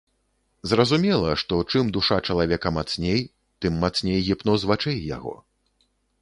Зразумела, што чым душа чалавека мацней, тым мацней гіпноз вачэй яго.